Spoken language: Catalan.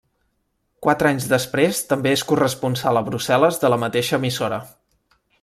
Quatre anys després també és corresponsal a Brussel·les de la mateixa emissora.